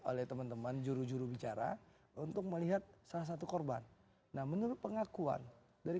oleh teman teman juru juru bicara untuk melihat salah satu korban nah menurut pengakuan dari